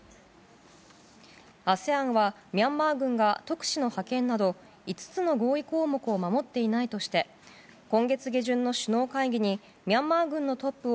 ＡＳＥＡＮは、ミャンマー軍が特使の派遣など５つの合意項目を守っていないとして今月下旬の首脳会議にミャンマー軍のトップを